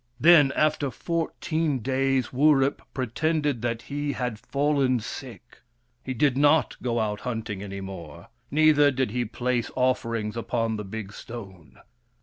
Then, after fourteen days, Wurip pretended that he had fallen sick. He did not go out hunting any more, neither did he place offerings upon the big stone.